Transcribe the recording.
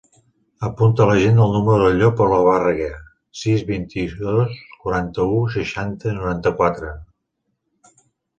Apunta a l'agenda el número del Llop Olabarria: sis, vint-i-dos, quaranta-u, seixanta, noranta-quatre.